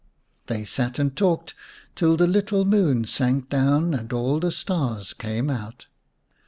They sat and talked till the little moon sank down and all the stars came out.